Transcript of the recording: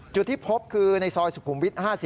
จุดที่พบคือในซอยสุขุมวิทย์๕๐